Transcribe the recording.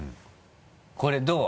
これどう？